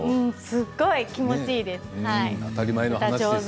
すごい気持ちいいです。